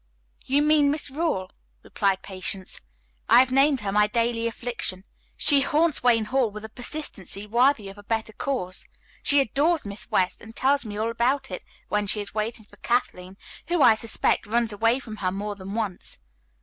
"You mean Miss Rawle?" replied Patience. "I have named her my daily affliction. She haunts Wayne Hall with a persistency worthy of a better cause. She adores Miss West, and tells me all about it while she is waiting for Kathleen, who, I suspect, runs away from her more than once.